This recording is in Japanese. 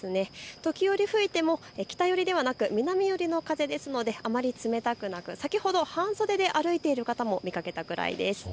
時折、吹いても北寄りではなく南寄りの風ですのであまり冷たくなく、先ほど半袖で歩いている方も見かけたぐらいです。